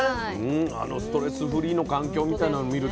あのストレスフリーの環境みたいなの見るとね。